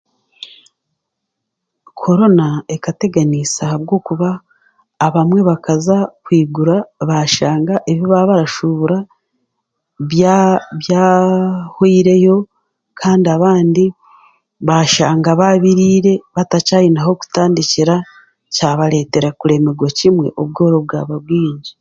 Korona ekateganiisa ahabwokuba abamwe bakaza kwigura bashanga ebi baabarashubura by'ahweireyo kandi abandi bashanga baabiriire batakyayine ah'okutandikira kyabareetera kuremegwa kimwe obworo bwaba bwingi